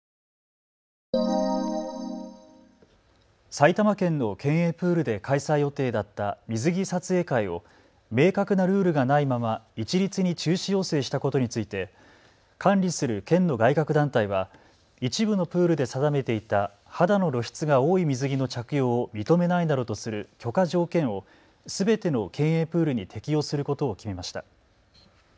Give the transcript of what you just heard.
埼玉県の県営プールで開催予定だった水着撮影会を明確なルールがないまま一律に中止要請したことについて管理する県の外郭団体は一部のプールで定めていた肌の露出が多い水着の着用を認めないなどとする許可条件をすべての県営プールに適用することを決めました。